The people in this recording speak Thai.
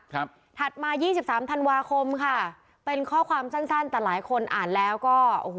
ถัดมายี่สิบสามธันวาคมค่ะเป็นข้อความสั้นสั้นแต่หลายคนอ่านแล้วก็โอ้โห